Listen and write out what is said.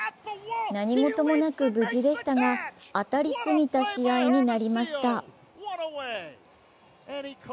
何事もなく無事でしたが当たりすぎた試合になりました。